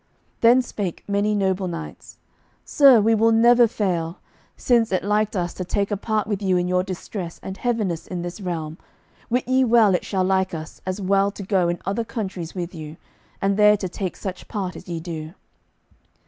Then spake many noble knights: "Sir, we will never fail. Since it liked us to take a part with you in your distress and heaviness in this realm, wit ye well it shall like us as well to go in other countries with you, and there to take such part as ye do."